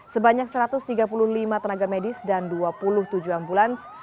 sebanyak satu ratus tiga puluh lima tenaga medis dan dua puluh tujuh ambulans